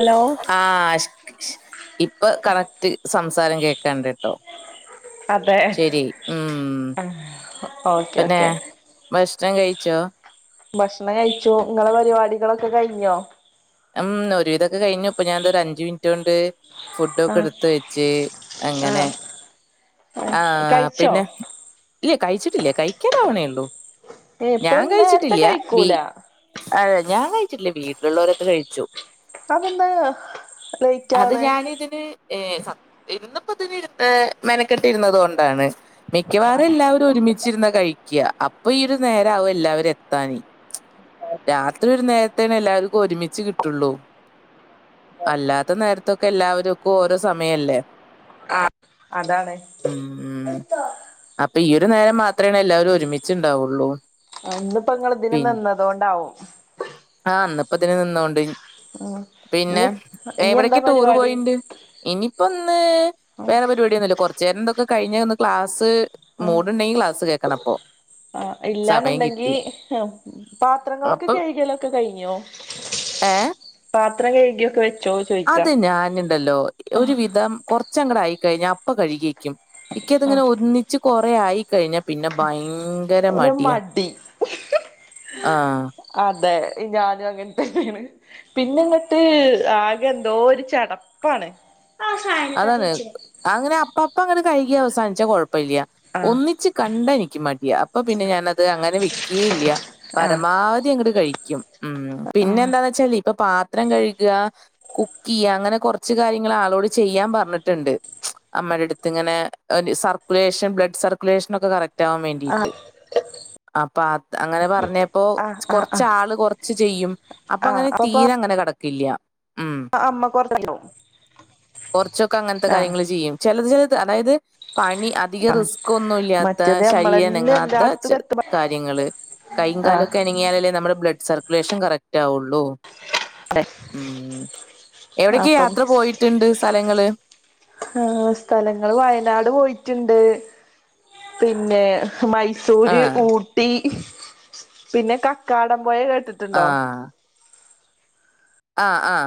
Hello ആ ഷ് ഷ് ഇപ്പൊ കണക്റ്റ് സംസാരം കേക്ക്ണ്ട്ട്ടോ അതെ ശെരി ഉം ആഹ് ഓക്കെ പിന്നെ ഓക്കെ ഭഷ്ണം കയ്ച്ചോ ഭഷ്ണം കയിച്ചു ഇങ്ങളെ പരിപാടികളൊക്കെ കഴിഞ്ഞോ ഉം ഒരുവിധൊക്കെ കയ്ഞ്ഞു ഇപ്പൊ ഞാൻ ദാ ഒരഞ്ചുമിൻറ്റോണ്ട് ആഹ് ഫുടൊക്കെട്ത്ത് വെച്ച് അങ്ങനെ ആഹ് ആഹ് ആ കഴിച്ചോ പിന്നെ ഇല്ല കയ്ച്ചിട്ടില്ല കഴിക്കാനാവണേ ഒള്ളൂ ഏഹ് ഞാൻ ഇപ്പളൊന്നും നേരത്തെ കഴിച്ചിട്ടില്ല വി കഴിക്കൂല ഞാൻ കഴിച്ചിട്ടില്ല വീട്ടിലുള്ളവരൊക്കെ കഴിച്ചു അതെന്താ ലേറ്റ് അത് ആവ്ണേ ഞാൻ ഇതിന് ഏ സ ഇന്നിപ്പൊതിന് മെനക്കെട്ട് ഇരുന്നതോണ്ടാണ് മിക്കവാറും എല്ലാവരും ഒരുമിച്ചിരുന്നാ കഴിക്ക അപ്പൊ ഈ ഒരു നേര ആവും എല്ലാവരും എത്താന് രാത്രി ഒരു നേരത്തേന്ന എല്ലാർക്കും ഒരുമിച്ച് കിട്ടുള്ളൂ അല്ലാത്ത നേര്ത്തൊക്കെ എല്ലാവരക്കും ഓരോ സമയല്ലേ ആഹ് അതാണ് ഉം ഉ അപ്പൊ ഈ ഒരു നേരം മാത്രേണ് എല്ലാവരും ഒരുമിച്ച്ണ്ടാവുള്ളൂ അന്നിപ്പോ ങ്ങൾ ഇതിന് നിന്നതൊണ്ടാവും ആ ന്ന്പ്പതിന് നിന്നോണ്ട് ഉം പിന്നെ ഇഞ്ഞ് ഇഞ്ഞ് എവടൊക്കെ എന്താ ടൂറ് പരിപാടി പോയിണ്ട് ഇനിപ്പോ ന്ന് ആഹ് വേറെ പരിപാടിയൊന്നുംല്ല കൊറച്ചേരം ന്തൊക്കെ കഴിഞ്ഞൊന്ന് ക്ലാസ്സ് മൂട്ണ്ടെങ്കി ക്ലാസ് കേക്കണപ്പൊ ആ ഇല്ലാന്ന്ണ്ടെങ്കി പാത്രങ്ങളൊക്കെ കഴ്കലൊക്കെ കയ്ഞ്ഞോ ഏഹ് പാത്രം കഴ്കിഒക്കെ വെ അത് ഞാനിണ്ടല്ലോ ഒരു ആഹ് വിധം കുറച്ചങ്ങട ആയിക്കഴിഞ്ഞാ അപ്പ കഴുകി വെക്കും ഇക്ക് ആഹ് അതിങ്ങനെ ഒന്നിച്ച് കൊറെ ആയി കഴിഞ്ഞാൽ പിന്നെ ഭയ ങ്കര ഒരു മടിയ മടി ആഹ് അതെ ഞാനും അങ്ങന് തന്നേണ് പിന്നെങ്ങട്ട് ആകെ എന്തോര് ചടപ്പാണ് ആ സ അതാണ് അങ്ങനെ അപ്പപ്പം അങ്ങട് കഴ്കി അവസാനിച്ച കൊഴപ്പല്ല്യ ആഹ് ഒന്നിച്ച് കണ്ട എനിക്ക് മ ടിയ അപ്പൊ പിന്നെ ഞാനത് അങ്ങനെ വെക്കേല്ല്യ ആഹ് പരമാവധി അങ്ങട് കഴിക്കും ഉം പിന്നെന്താന്ന് വെച്ചാല് ഇപ്പൊ പാത്രം കഴ്കാ കുക്കിയ്യ അങ്ങനെ കൊറച്ച് കാര്യങ്ങൾ ആളോട് ചെയ്യാൻ പറഞ്ട്ട്ണ്ട് അമ്മേടെട്ത്ത്ങ്ങനെ സർക്കുലേഷൻ ബ്ലഡ് സർക്കുലേഷൻ ഒക്കെ കറക് റ്റാവാൻ ആഹ് വേണ്ടിട്ട് അപ്പ അ അങ്ങനെ പറഞ്ഞ അപ്പൊ ആഹ് ആഹ് കൊറ്ച്ച് ആഹ് ആള് കൊറച്ച് ചെയ്യും അപ്പൊ ആഹ് അങ്ങനെ തീരെ അങ്ങനെ കടക്കില്ല ഉം അമ്മക്ക് കൊറേ [unintelligible] കുറ്ച്ചൊക്കെ അങ്ങനത്തെ കാര്യങ്ങൾ ചെയ്യും ചിലത് ചിലത് അതായത് പണി അ തിക ആഹ് റിസ്ക്കൊന്നുല്ലാത്ത മറ്റേത് നമ്മളന്നെ ശരീരനങ്ങാത്ത എല്ലായിടത്തും ചെ എത്തുമ്പ കാര്യങ്ങൾ കയ്യും കാലും ആഹ് ഒക്കെ നങ്ങിയാലേ നമ്മുടെ ബ്ലഡ് സർക്കുലേഷൻ കറക്റ്റ് ആവൊള്ളൂ അതെ ഉ എവിടക്കെ അപ്പം യാത്ര പോയിട്ടുണ്ട് സ്ഥലങ്ങള് ആ സ്ഥലങ്ങൾ വയനാട് പോയിട്ടുണ്ട് പിന്നെ മ സൂര്യ ആഹ് ഊട്ടി പിന്നെ കക്കാടം പോയ കേട്ടി ആ ആ ആ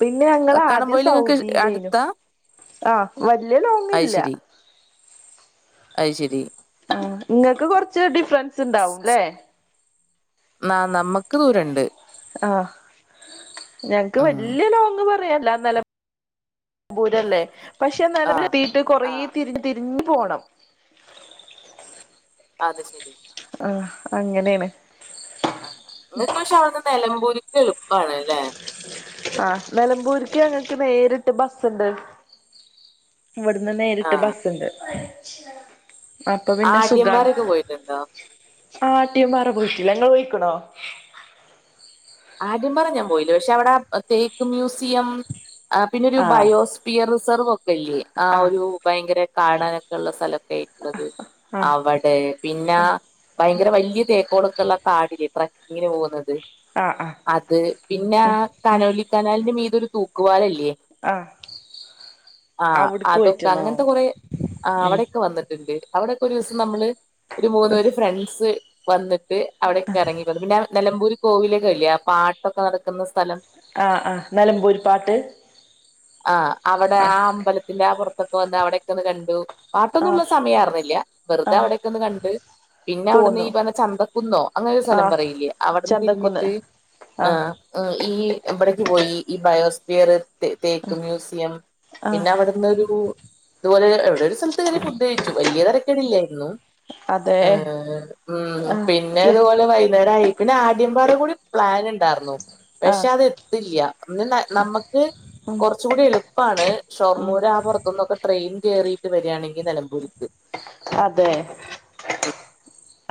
പിന്നെ ഞങ്ങളാദ്യം പോയില് നിങ്ങക്ക് സൗദിലേനു അടുത്താ ആഹ് വല്ല്യ ലോങ്ങില്ല അയ്ശെരി ആഹാ ഇങ്ങക്ക് കൊറച്ച് സ്- സ്- ഡിഫ്റൻസ്ണ്ടാവുല്ലേ? ന നമ്മക്ക് ദൂരണ്ട് ആഹ് ഞങ്ങ്ക്ക് ഉം വല്ല്യലോങ് പറ യാല്ല നെലമ്പൂരല്ലേ? പക്ഷെ ആഹ് നെലമ്പൂരത്തിട്ട് കൊറേ ആഹ് തിരിഞ് പോണം അത് ശെരി ആഹാ അങ്ങനേണ് ആ ഇങ്ങക്ക് പക്ഷെ അവ്ട്ന്ന് നെലമ്പൂര്ക്ക് എളുപ്പാണ്ല്ലേ? ആഹാ നെലമ്പൂര്ക്ക് ഞ്ഞങ്ങക്ക് നേരിട്ട് ബസ്സ്ണ്ട് ഇവട്ന്ന് നേരിട്ട് ആഹ്. ബസ്സ്ണ്ട് അപ്പപിന്നെ സുഖാണ് ആട്യംപാറയൊക്കെ പോയിട്ടുണ്ടോ? ആട്ടിയുംമ്പാറ പോയിട്ടില്ല ഇങ്ങളോയിക്ക്ണോ? ആദ്യംപാറ ഞാൻ പോയില്ല പക്ഷവടെ തേക്ക് മ്യൂസിയം പിന്നൊരു ആഹ് ബയോസ് പിയ റിസർവൊക്കെല്ല്യേ ആ ആഹ് ഒരു ഭയങ്കര കാണാനൊക്കെള്ള സ്ഥലൊക്കെ ള്ളത് ആഹ് അവടെ പിന്നാ ആഹ് ഭയങ്കര വല്ല്യ തേക്കോളൊക്കള്ള കാടില്ലെ ട്രക്കിങ്ങിന് പോകുന്നത് ആഹ് അത് പിന്നാ ആഹ് കനോലിക്കനാലിന്റെ മീതൊരു തൂക്കുപാലല്ല്യ ആഹ ആഹ് അതൊക്കെ അങ്ങൻത്തെ കൊറേ ആഹ് അവിടെക്കെ ഉം വന്നിട്ട്ണ്ട് അവിടെക്കൊരൂസം നമ്മള് ഒരു മൂന്ന് പേര് ഫ്രണ്ട്സ് വന്ന്ട്ട് അവിടെക്കെറങ്ങി പിന്നെയാ നെലമ്പൂര് കോവിലകയില്ലെ ആ പാട്ടൊക്കെ നട്ക്ക്ന്ന സ്ഥലം ആഹ് ആഹ് നിലമ്പൂരി പാട്ട് ആഹ് അവടെ ആ അമ്പലത്തിന്റെ ആ പൊറത്ത് ക്കെ വന്ന് അവിടെക്കൊന്ന് കണ്ടു പാട്ടൊന്നുള്ള ആഹ് സമയാർന്നില്ല്യ വെറ്തെ ആഹ് അവിടെക്കൊന്ന് കണ്ട് പിന്നെ അവിട്ന്നീ പോന്നു പറഞ്ഞ ചന്തക്കുന്നോ? അങ്ങനൊരു സ്ഥലം ആഹ് പറയില്ലേ? അവട്ന്ന് ചന്തക്കുന്ന് തിരിഞ്ഞിട്ട് ആ് ആഹ് ഈ ഇമ്പ്ടേക്ക് പോയി ഈ ബയോസ്പിയർ, തെതേക്ക് മ്യൂസിയം, ആഹ് പിന്നവ്ട് പിന്നൊരു ഇത്പോലെ എവ്ടൊരു സ്ഥൽത്ത് കെയറി ഫുഡ് കഴിച്ചു വല്ല്യ തെരക്കേടില്ലായിരുന്നു. അതെ ആഹ് മ് ആഹ് പിന്നെ യ ഇതുപോലെ വൈന്നേരായി പിന്നാദ്യംപാറകൂടി പ്ലന്ണ്ടാർന്നു പക്ഷെ ആഹ് അതെത്തില്ല്യ പിന്നെ ന്നമ്മക്ക് ഉം കൊറച്ചൂടി എളു പ്പാണ് ഉം ഷൊർണ്ണൂരാ പൊറത്ത്ന്നൊക്കെ ട്രെയിൻ കേറിയിട്ട് വെരാണെങ്കി നെലമ്പൂര്ക്ക് അതെ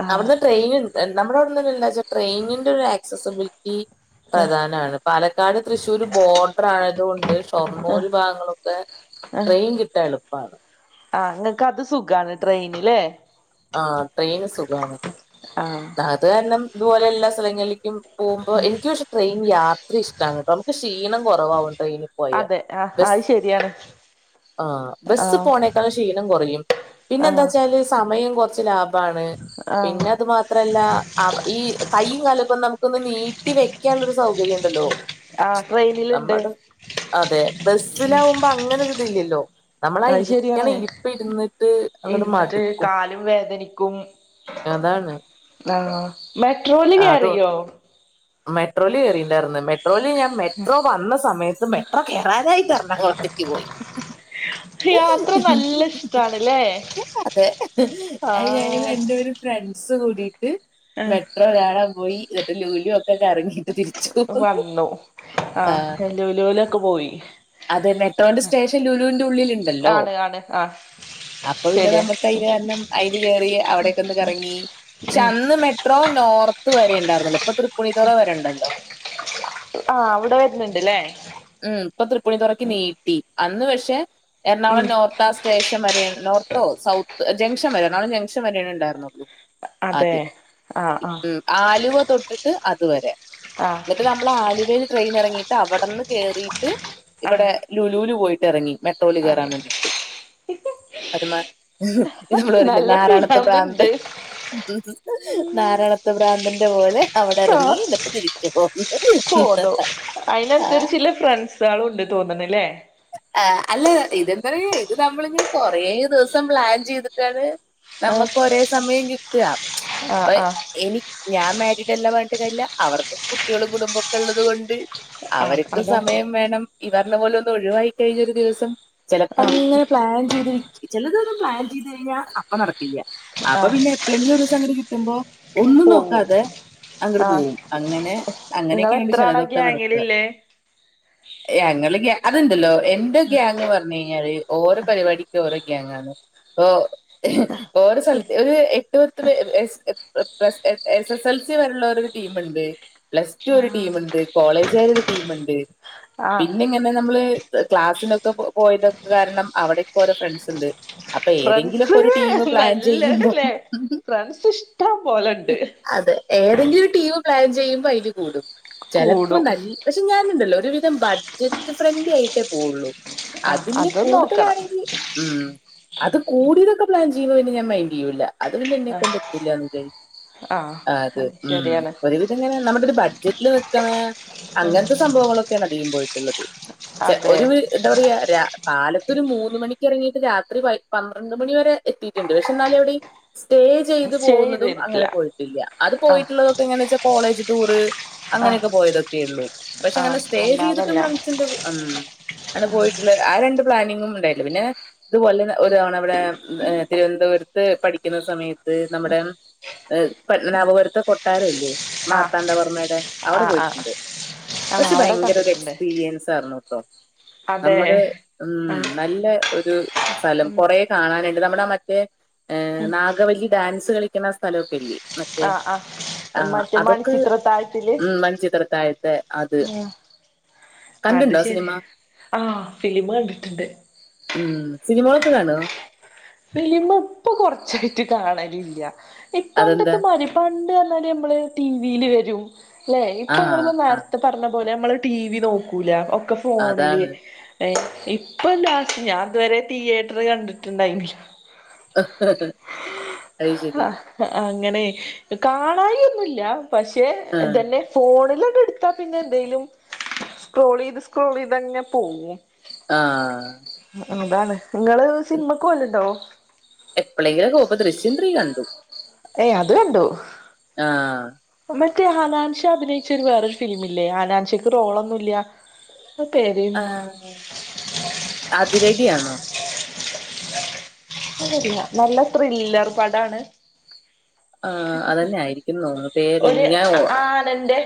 ആഹ് അവ്ടുന്ന് ട്രെയിന്ണ്ട് ന്താ നമ്മടവ്ടന്നെന്താച്ചാ ട്രെയിനിന്റൊരു ആക്സസബിലിറ്റി ആഹ് പ്രധാനാണ് പാലക്കാട്, തൃശ്ശൂർ, ബോഡ്രായതുകൊണ്ട് ആഹ് ഷൊർണ്ണൂര് ഭാഗങ്ങളൊക്കെ ആഹ് ട്രെയിൻ കിട്ടാ എളുപ്പാണ്. ആഹ് ഇങ്ങക്കത് സുഖാണ് ട്രെയിന് ല്ലേ? ആഹാ ട്രെയിന് സുഖാണ് ആഹ് അത് കാരണം ഇതുപോലെ എല്ലാ സ്ഥലങ്ങളിലേക്കും പോകുമ്പോ എനിക്ക് പ ട്രെയിൻ യാത്രയിഷ്ടാണ് ട്ടോ, നമക്ക് ക്ഷീണം കൊറവാവും ട്രെയിനി അതെ ഹാ ആഹ്ശെരിയാണ് ആ് ബസ്സ് പോണേക്കാളും ക്ഷീണം കൊറയും ആഹ് പിന്നെന്താച്ചാല് സമയം കൊറച്ച് ലാഭാണ് ആഹ് പിന്നതുമാത്രല്ലാ ആഹ് ഈ കയ്യും കാലു ക്കൊന്ന് നമുക്കൊന്ന് നീട്ടി വെക്കാനൊരു സൗകര്യ ണ്ടല്ലോ ആഹ് ട്രെയിനില്ണ്ട് നമ്മടം അതെ ബെസ്സിലാവുമ്പോ അ അങ്ങനൊര് തില്ലല്ലോ നമ്മളാ അത് ഇരിക്കണ ശരിയാണ് ഇരിപ്പ് ഇര്ന്നിട്ട് അങ്ങട്ട് ഇരുന്നിട്ട് മടുക്കും കാലും വേദനിക്കും അതാണ് ആഹ് മെട്രോല് കേറിയോ മെട്രോല് കേറിണ്ടാര്ന്നു മെട്രോല് ഞാൻ മെട്രോ വന്ന സമയത്ത് മെട്രോ കേറാനായ്ട്ട് എരണാങ്കുളത്തെ ട്ടിവൊയി യാത്ര നല്ല ഇഷ്ടാണ്ല്ലേ അതെ അയ് ഞങ്ങള് രണ്ടു ആഹ് പേരും ഫ്രണ്ട്സ് കൂടിട്ട് മെട്രോ കാണാൻ പോയി ന്ന്ട്ട് ലുലു ഒക് ക്ക എറങ്ങിട്ട് തിര്ച്ചു പൊന്നു ആഹ് ലുലൂലൊക്ക പോയി അത് മെട്ടോന്റെ സ്റ്റേഷൻ ലുലൂന്റ് ഉള്ളില് ണ്ടല്ലോ അണ് ആഹ് അപ്പൊ പിന്നെ ശരിയാ നമ്മുക്ക് അയ്ന് കേണം അയില് കേറി അവിടെക്കെന്ന് ഉം കറങ്ങീ ക്ഷെ അന്ന് മെട്രോ നോർത്ത് വരെ ണ്ടാര്ന്ന്ള്ളു ഇപ്പൊ തൃപ്പൂണിത്തുറ വരെ ഉണ്ടല്ലോ ആഹ് അവിടെ വെര്ന്നുണ്ട് ല്ലേ ഉം പ്പൊ തൃപ്പുണിത്തുറക്ക് നീട്ടി അന്ന് പക്ഷെ എറണാകുളം ഉം നോർ ത്താ സ്റ്റേഷൻ വരെയെ നോർത്തോ സൗത്ത് ജംഗ്ഷൻ വരെ ര്ണാങ്കുളം ജംഗ്ഷൻ വരെണ് ണ്ടാര്ന്നുള്ളൂ അതെ ആദ്യം ആഹ് ആഹ് ഉം ആലുവ തൊട്ട്ട്ട് അതുവരെ ആഹ് ന്നട്ട് നമ്മള് ആലുവേന്ന് ട്രെയിന് എറങ്ങിട്ട് അവടെന്ന് കേറിയിട്ട് ഇവടെ ആഹ് ലുലൂല് പോയിട്ട് എറങ്ങി മെട്രോല് കേറാൻ അറിയാം വേണ്ടിട്ട് അത് മ്മ ത് നമ്മള് പറില്ലേ നല്ല നാരാണത്ത് പ്രാന്ത്‌ പിരാന്ത്ണ്ട് നാരായണത് ഭ്രാന്തന്റെ പോലെ അവിടെ ആഹ് എറങ്ങി ന്നിട്ട് തിരിച്ചു പോകുന്നു പോന്നു ആഹ് അയിനനുസരിച്ചുള്ള ഫ്രണ്ട്സാളും ണ്ട് തോന്നുണ് ല്ലേ ആഹ് അല്ല ഇത്‌ ഇതെന്തറെയ് ഇത് നമ്മളിങ്ങനെ കൊറേ ദെവസം പ്ലാൻ ചെയ്തിട്ടാണ് ആഹ് നമക്ക് ഒരേ സമയം കിട്ട ആഹ് പ്പ ആഹ് എനി ഞാൻ മാരിഡ് അല്ലാ പർഞ്ഞ്ട്ട് കാര്യല്ല അവർക്കും കുട്ട്യളും കുടുംമ്പൊക്ക ഉള്ളത് കൊണ്ട് ആഹ് അവർക്കും അതാ സമയം വേണം ഇവർടെ പോല ഒന്ന് ഒഴിവായി കഴിഞ്ഞൊരു ദിവസം ചെലപ്പ ആഹ് ങ്ങനെ പ്ലാൻ ചെയ്തിരിക് ചെല തൊന്നും പ്ലാൻ ചെയ്ത് കഴിഞ്ഞാ അപ്പ നടക്കില്ല അപ്പൊ പിന്നെ എപ്പളെങ്കിലു ഒരോസങ്ങട് കിട്ടുമ്പോ ആഹ് ഒന്നും പോവും നോക്കാതെ അങ്ങട് ആഹ് പോവും അങ്ങനെ നിങ്ങള് അങ്ങനെക്കെയെണ് എത്ര ആളാ ചെലതൊക്ക നടത്ത ഗ്യാങ്ങിലില്ലേ എ അങ്ങള് ഗ അത് ണ്ടല്ലോ എന്റെ ഗ്യാങ് പർഞ് കഴിഞ്ഞാല് ഓരൊ പരിപാടിക്ക് ഓരോ ഗ്യാങ് ആണ് പ്പൊ ഓരോ സ്ഥൽ ഒരു എ ട്ട് പത്ത് പെ [unintelligible] എസ് എസ് എൽ സി വരെള്ള ഒരു ടീമുണ്ട് പ്ലസ് ടു ഒരു ടീമ്ണ്ട് കോളേജാര് ഒരു ടീമ്ണ്ട് ആഹ് പിന്നെ ങ്ങനെ നമ്മള് ക്ലാസ്സിനൊക്കെ പൊ പോയതൊക്കെ കാര്ണം അവടക്കെ ഓരോ ഫ്രണ്ട്സ് ണ്ട് അപ്പൊ ഏതെങ്കിലൊക്ക ഫ്രണ്ട്സ് ഒരു ടീമ് പ്ലാൻ ചെയ്യുമ്പൊ നല്ലതല്ലേ ഫ്രണ്ട്സ് ഇഷ്ടം പോലെണ്ട് അതെ ഏതെങ്കിലു ഒര് ടീമ് പ്ലാൻ ചെയ്യുമ്പോ അയില് കൂടും ചെലപ്പോ കൂടും നല്ല് പക്ഷെ ഞാന്ണ്ടല്ലോ ഒരുവിധം ബഡ്ജറ്റ് ഫ്രണ്ട്ലി ആയിട്ടേ പോവുള്ളൂ ആഹ് അതത് ന്ന് അത് നോക്കണം കൂടുതലാണെങ്കി ഉം അത് കൂടിയതൊക്ക പ്ലാൻ ചെയ്യുമ്പൊ പിന്ന ഞാൻ മൈന്റ് എയൂല്ല അത് പിന്നെ എന്നെ ആഹ് കൊണ്ട് എത്തുല്ലന്ന് ജര് ആഹ് അത് ഉം ശരിയാണ് ഒരൊര് ത്ങ്ങനെ നമ്മുട ഒരു ബഡ്ജറ്റില് നിക്ക്‌ണ അങ്ങൻത്ത സംഭവങ്ങളൊക്കെണ് അധികം പോയിട്ട്ള്ളത് ചെ അതെ ഒരു വി എന്താ പറയാ രാ കാലത്തൊരു മൂന്ന് മണിക്ക് എറങ്ങിയിട്ട് രാത്രി പയ് പന്ത്രണ്ട് മണി വരെ എത്തിയിട്ട്ണ്ട് പക്ഷെ ന്നാലും എവിടെയ് സ്റ്റേ ചെയ്ത് സ്റ്റേയ് പോകുന്നതും ചെയ്തിരിക്കില്ല അങ്ങനെ പോയിട്ടില്ല അത് ആഹ് പോയിട്ടുള്ളതൊക്കെ എങ്ങന ച്ചാ കോളേജ് ടൂറ് ആഹ് അങ്ങനെക്കെ പോയതൊക്കെ ഉള്ളൂ പക്ഷെ ആഹ് അങ്ങനെ സ്റ്റേ ചെയ്തിട്ടും അല്ലാതല്ല ഫ്രണ്ട്സിന്റെ കു ഉം ങ്ങന പോയിട്ടുള്ള ആ രണ്ട് പ്ലാനിങ്ങും ണ്ടായിട്ട്ല്ല പിന്നെ ഇതുപോലെ ഒരുതവണവടെ തിരുവനന്തപുരത്ത് പഠിക്ക്ന്ന സമയത്ത് നമ്മടെ എഹ് ആഹ് പത്മനാഭപുരത്തെ കൊട്ടാരവില്ലേ? മാർത്താണ്ഡവർമ്മയ്ടെ അവടെ ആഹ് ആഹ് പോയിട്ട്ണ്ട് ആഹ് പക്ഷെ അവിടെ ഭയങ്കരൊരു എ കണ്ടിട്ടുണ്ട് ക്സ്പീരിയൻസായിരുന്നുട്ടോ അതെ നമ്മള് മ് ആഹ് നല്ല ഒരു സ്ഥലം ഉം കൊറേ കാണാന്ണ്ട് നമ്മടെ ആ മറ്റേ ഏഹ് ഉം നാഗവല്ലി ഡാൻസ് കളിക്ക്ണാ സ്ഥലവൊക്കെയില്ലേ? മറ്റേ ആഹ് ആഹ് ആഹാ മറ്റേ അതൊക്ക് മണിച്ചിത്രത്താഴത്തില് മ് മണിച്ചിത്രത്താഴത്തെ അത് ആഹ് അത് കണ്ടിണ്ടോ ശരി സിനിമ ആഹ് ഫിലിമ് കണ്ടിട്ട്ണ്ട് ഉം സിനിമോളൊക്കെ കാണോ ഫിലിമ് ഇപ്പൊ കൊറച്ചായിറ്റ് കാണലില്ല അതെന്താ പണ്ട്ർഞ്ഞാല് ഇമ്പള് ടിവീല് വെരും ല്ലേ ആ ഇപ്പമ്മള് ആ നേര്ത്തെ പറഞ്ഞപോലെ അമ്മള് ടി വി നോക്കുല ഒക്കെഫോണില് അതാണ് ഇപ്പൊലാസ് ഞാത് വരെ തിയേറ്റർകണ്ടിട്ടുണ്ടായി അത് ശരി ഹാ അങ്ങനെ കാണായിന്നുല്ല പക്ഷെ ആ ഇതന്നെ ഫോണിലണ്ട്ട്ത്താപിന്നെ ന്തേലും സ്ക്രോളെയ്ത് സ്ക്രോളെയ്തങ്ങ പോവും ആ അതാണ് ഇങ്ങള് സിൻമക്ക് പോവല്ണ്ടോ എപ്പളേങ്കിലൊക്കെ ഓപ്പം ദൃശ്യം ത്രീ കണ്ടു ഏ അത് കണ്ടു ആഹ് മറ്റേ ഹനാൻഷ അഭിനയിച്ചരു വേറൊരുഫിലിമില്ലേ ഹനാൻഷക്ക്റോളൊന്നുല്ല പേര് ആഹ് അതിരടിയാണോ അതല്ല നല്ല ത്രില്ലർ പടാണ് ആഹ് അതന്നെ ആയിരിക്കും നോന്ന പേര് ഒരു ഞാൻ ഓ ആനന്റെ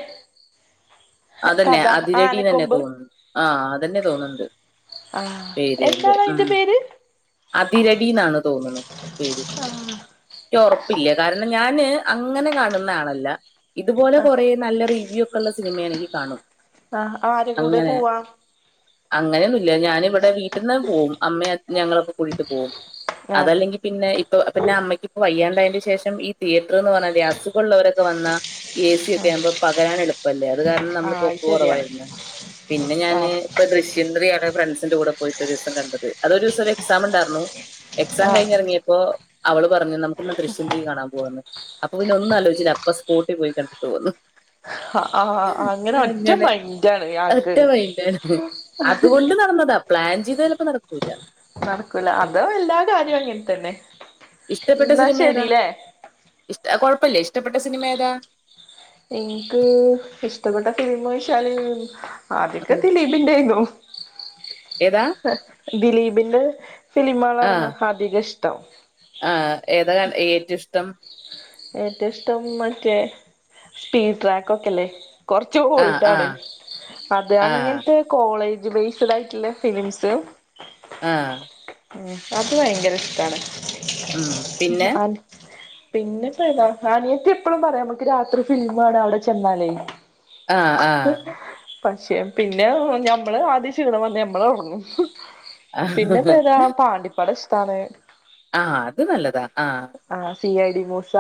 അതന്നെ കഥ അതിരടീന്നെന്നെ ആനക്കൊമ്പ് തോ ആ അതന്നെതോന്ന്ണ്ട് ആഹ് എന്താണയിന്റെ പേര് അതിരടിന്നാണ് തോന്ന്ണു പേര് ക്ക്ഒറപ്പില്ല കരണ്ണം ഞാന് അങ്ങനെ കാണുന്നആളല്ല ഇതുപോലെ ആ കൊറേ നല്ല റിവ്യൂഒക്കള്ള സിനിമേണങ്കികാണും ആ ആരെ കൂടെ അങ്ങനെ പോവാം അങ്ങനെയൊന്നുല്ല ഞാനിവിടെ വീട്ടിന്ന് പോവും അമ്മെ അ ഞങ്ങളക്കെകൂടിട്ട് പോവും ആ അതല്ലെങ്കി പിന്നെ ഇപ്പ പിന്നെ അമ്മയ്ക്കിപ്പ വയ്യാണ്ടായന്റെ ശേ ഷം ഈ തിയേറ്റർന്ന് പറഞ്ഞാല് അസുഖള്ളോരൊക്കെ വന്നാ ഏസി ആ ഒക്കെ ആഉമ്പോ പകരാന്എളുപ്പല്ലേ അത് കാരണം ആ നമ്മള് പൊ അത് പൊക്ക് ശരിയാണ് കുറവായിരുന്നു പിന്നെ ആ ഞാന് പ്പ ദൃശ്യം ത്രിയാണ് ഫ്രണ്ട്സിന്റെ കൂടെ പോയിട്ട് ഒരൂസംകണ്ടത്. അതൊരുസം ഒരു എക്സാം ഉണ്ടാർന്നു എക്സാം ആ കഴിഞ്ഞിറങ്ങിയപ്പോ അവള് പറഞ്ഞു നമുക്കിന്ന് ദൃശ്യം ത്രീ കാണാൻ പോകന്ന് അപ്പൊപിന്നെ ഒന്നലോയിച്ചില്ല അപ്പ സ്പോട്ട്പോയി കണ്ടിട്ട്പോന്നു. ഹ ആഹ ഹാ അങ്ങനെ ഒറ്റ മൈൻന്റാണ് ഇയാക്ക് ഒറ്റ മൈൻഡാണ് അതുകൊണ്ട് നടന്നതാ പ്ലാൻചെയ്തലപ്പോ നടക്കൂല നടക്കുല അതോ എല്ലാകാര്യ അങ്ങൻതന്നെ ഇഷ്ടപ്പെട്ട സിനിമേതാ ഇഷട കൊഴപ്പല്ല ഇഷ്ടപ്പെട്ട സിനിമേതാ എനിക്ക് ഇഷ്ടപ്പെട്ട സിനിമൊയ്ചാല് ആദ്യൊക്കെ ഉം ദിലീ പ് ന്റെയിര്ന്നു ഏതാ ദിലീപിന്റെ ഫിലിമളാണന്ന് ആഹ് അധികഇഷ്ടം ആഹ് ഏതാ ഏറ്റ്ഇഷ്ടം ഏറ്റവുഇഷ്ടം മറ്റേ സ്പീഡ്ട്രാക്ക് ഒക്കെല്ലേ കൊർച്ച് ആഹ് ഓൾഡാണ് ആഹ് അത് ആഹ് അങ്ങൻത്തെ കോളേജ് ബേസ്ഡ് ആയിട്ട്ള്ള ഫിലിംസ് ആഹ് ഉം അത് ഭയങ്കരഇഷ്ടാണ്. ഉം പിന്നെ പിന്നെപ്പേതാ ആനിയത്തി എപ്പഴുംപറയമക്ക് രാത്രി ഫിലിമാണ അവ്ടെ ചെന്നാലേ ആഹ് [unintelligible] പക്ഷേ പിന്നെ ഞമ്മള് ആദ്യ ഷീണംവന്ന് നമ്മളഒറങ്ങും ആഹ ആ പാണ്ടിപ്പട ഇഷ്ടാണ് ആഹ് അത് നല്ലതാ ആഹ് ആഹ് സീ ഐ ടി മൂസ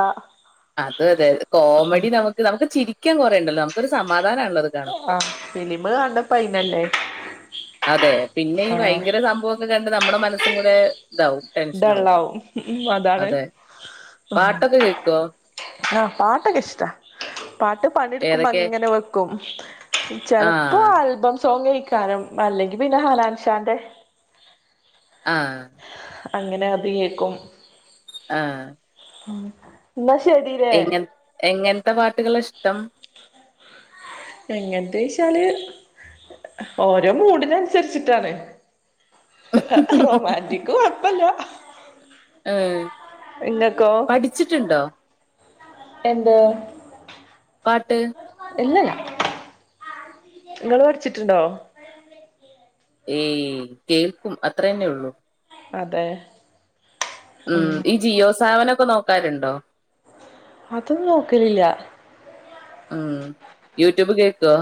അത അതെതെ കോമഡി നമുക്ക് നമുക്ക് ചിരിക്കൻ കുറേണ്ടല്ലോ നമുക്കൊരു സമാധാനമാള്ളത് ആഹ ഫിലിമ് കണ്ട പൈനല്ലേ അതെ, പിന്നെ ഈ ഭയങ്കര സംഭവോക്കെ കണ്ട് നമ്മുടെ മനസ്സും കൂടെ, ഇതാവും ടെൻഷനാവും ഡാള്ളാവും അതാണ് അതെ മ്ഹ് പാട്ടൊക്കെ കേക്കോ ആഹ് പാട്ടക ഇഷ്ടാ പാട്ട് പണിെടുക്കുമ്പോ ഏതൊക്കെ അങ്ങനെ വെക്കും ചെിലപ്പോ ആഹ് ആൽബം സോങ് ഇക്കാനും അല്ലെങ്കി പിന്നെ ഹനാൻഷാന്റെ ആഹ് അങ്ങനെ അത് കേൾക്കും. ആഹ് എന്നാ ശെരീ രെ എങ്ങ എങ്ങനത്തെ പാട്ടുകള് ഇഷ്ടം? എങ്ങനത്തെ ച്ചാല് ഓരോ മൂടിനനുസരിച്ചിട്ടാണ്. റൊമാന്റിക്ക് കുഴപ്പല്ല്യാ ആഹ് പഠിച്ചിട്ടുണ്ടോ? എന്ത്? പാട്ട് ഇല്ല ഞാ നിങ്ങള് പഠിച്ചിട്ടുണ്ടോ? ഏയ് കേൾക്കും അത്ര തന്നെ ഉള്ളൂ അതെ ആ മ്ഹ് ഈ ജിയോ സാവനൊക്കെ നോക്കാറണ്ടോ? അതൊന്നും നോക്കലില്ല ഉം യൂട്യൂബ് കേക്കോ?